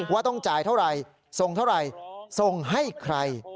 ว่าต้องจ่ายเท่าไหร่ส่งเท่าไหร่ส่งให้ใคร